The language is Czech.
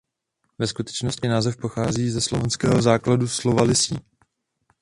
Ve skutečnosti název pochází ze slovanského základu slova "lysý".